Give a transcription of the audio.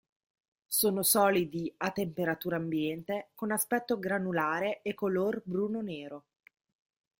Sono solidi a temperatura ambiente con aspetto granulare e color bruno-nero.